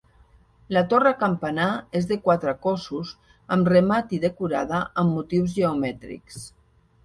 La torre campanar és de quatre cossos amb remat i decorada amb motius geomètrics.